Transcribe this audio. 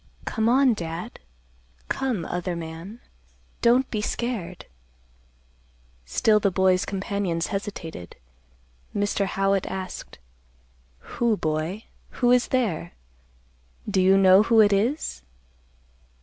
Come on, Dad. Come, other man. Don't be scared." Still the boy's companions hesitated. Mr. Howitt asked, "Who, boy? who is there? Do you know who it is?"